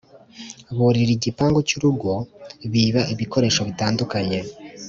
burira igipangu cy’urugo biba ibikoresho bitandukanye